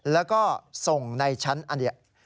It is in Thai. แล้วก็ส่งในชั้นอันนี้